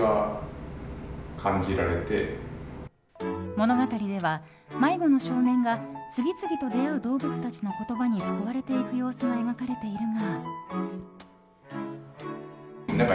物語では、迷子の少年が次々と出会う動物たちの言葉に救われていく様子が描かれているが。